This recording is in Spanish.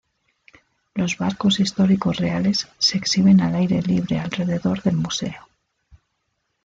Los barcos históricos reales se exhiben al aire libre alrededor del museo.